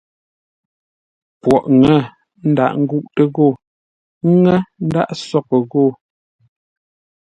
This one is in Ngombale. Poghʼ ŋə̂ ndǎghʼ ngúʼtə́ ghô, Ŋə̂ ndǎghʼ nsóghʼə́ ghô.